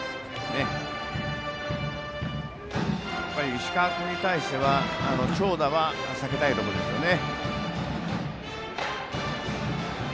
石川君に対しては長打は避けたいところですよね。